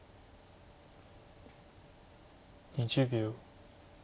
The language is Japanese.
２０秒。